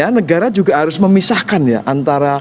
ya negara juga harus memisahkan ya antara